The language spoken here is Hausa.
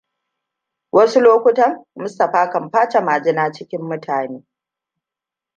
Wasu lokutan Mustapha kan face majina cikin mutane.